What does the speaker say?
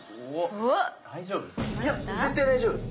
いや絶対大丈夫！